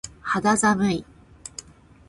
肌寒い。